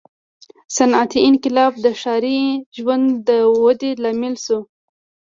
• صنعتي انقلاب د ښاري ژوند د ودې لامل شو.